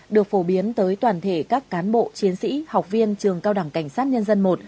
được phổ biến tới toàn thể các cán bộ chiến sĩ học viên trường cao đẳng cảnh sát nhân dân i